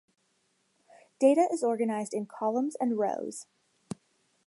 Data is organized in columns and rows.